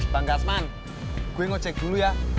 bang gasman gue ngecek dulu ya